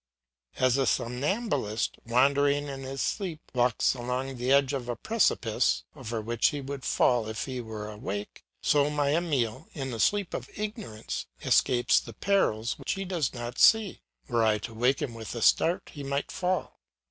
As a somnambulist, wandering in his sleep, walks along the edge of a precipice, over which he would fall if he were awake, so my Emile, in the sleep of ignorance, escapes the perils which he does not see; were I to wake him with a start, he might fall.